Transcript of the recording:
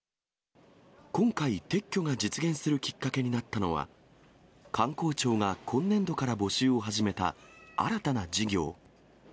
今回、撤去が実現するきっかけになったのは、観光庁が今年度から募集を始めた新たな事業。